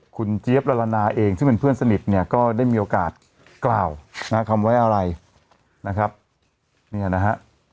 คุณเจี๊ยบละละนาเองซึ่งเป็นเพื่อนสนิทเนี่ยก็ได้มีโอกาสกล่าวคำไว้อะไรนะครับเนี่ยนะฮะ